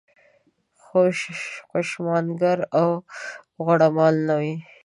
خوشامنګر او غوړه مال نه وي.